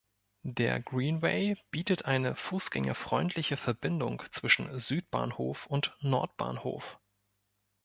Der Greenway bietet eine fußgängerfreundliche Verbindung zwischen Südbahnhof und Nordbahnhof.